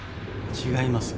違います。